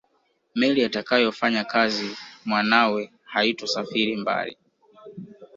Meli atakayofanyakazi mwanawe haitosafiri mbali